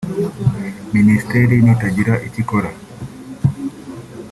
Minisiteri nitagira icyo ikora